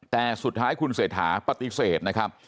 แต่สุดท้ายคุณเศรษฐาปฏิเสธนะครับ